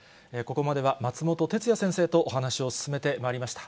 ここまでは松本哲哉先生とお話を進めてまいりました。